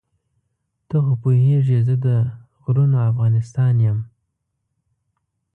ته خو پوهېږې زه د غرونو افغانستان یم.